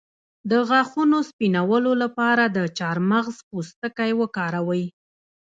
د غاښونو سپینولو لپاره د چارمغز پوستکی وکاروئ